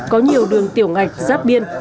có nhiều đường tiểu ngạch giáp biên